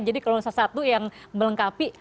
jadi kalau salah satu yang melengkapi